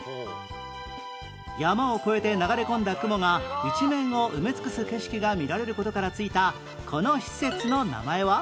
山を越えて流れ込んだ雲が一面を埋め尽くす景色が見られる事から付いたこの施設の名前は？